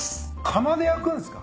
釜で焼くんすか？